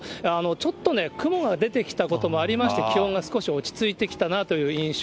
ちょっとね、雲が出てきたこともありまして、気温が少し落ち着いてきたなという印象。